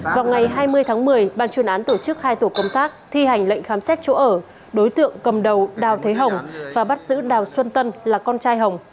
vào ngày hai mươi tháng một mươi ban chuyên án tổ chức hai tổ công tác thi hành lệnh khám xét chỗ ở đối tượng cầm đầu đào thế hồng và bắt giữ đào xuân tân là con trai hồng